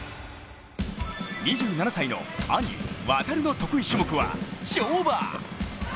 ２７歳の兄・航の得意種目は跳馬。